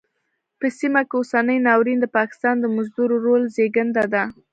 په سیمه کې اوسنی ناورین د پاکستان د مزدور رول زېږنده ده.